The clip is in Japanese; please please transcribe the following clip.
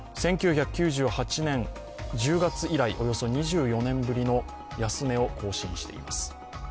１９９８年１０月以来、およそ２４年ぶりの安値を更新しています。